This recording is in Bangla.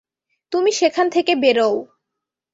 তুমি সেখান থেকে বেরোও।